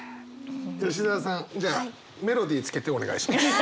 吉澤さんじゃあメロディーつけてお願いします。